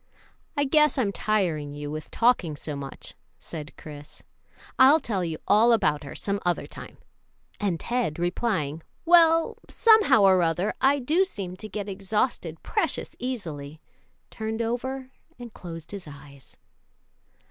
"I guess I'm tiring you with talking so much," said Chris; "I'll tell you all about her some other time;" and Ted, replying, "Well, somehow or other, I do seem to get exhausted precious easily," turned over and closed his eyes.